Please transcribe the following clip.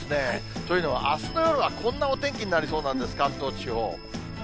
というのは、あすの夜はこんなお天気になりそうなんです、関東地方。